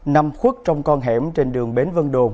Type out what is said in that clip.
nằm khuất trong con hẻm trên đường bến vân đồn